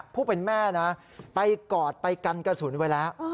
ผู้เป็นแม่นะไปกอดไปกันกระสุนไว้แล้ว